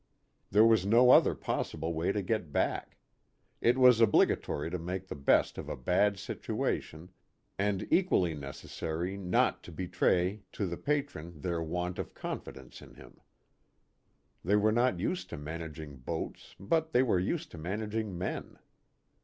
There was no other possible way to get back. It was obligatory to make the best of a bad situation, and equally necessary not to be 58 A PICNIC NEAR THE EQUATOR. tray to the Patron their want of confidence in him. They were not used to managing boats but they were used to managing men.